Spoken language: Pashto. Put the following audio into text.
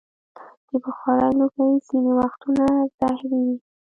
د بخارۍ لوګی ځینې وختونه زهري وي.